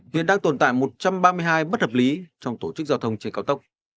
hiện đang tồn tại một trăm ba mươi hai bất hợp lý trong tổ chức giao thông trên cao tốc